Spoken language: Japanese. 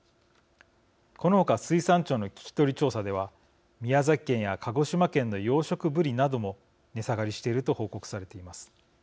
この他水産庁の聞き取り調査では宮崎県や鹿児島県の養殖ぶりなども値下がりしていると報告されています。